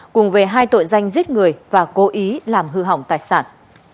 cùng về hai tội danh giết người và cố ý làm hư hỏng tài sản